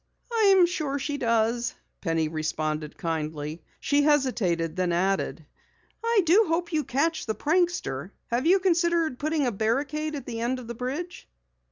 "I'm sure she does," Penny responded kindly. She hesitated, then added: "I do hope you catch the prankster. Have you considered putting a barricade at the end of the bridge?"